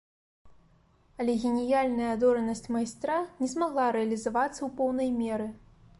Але геніяльная адоранасць майстра не змагла рэалізавацца ў поўнай меры.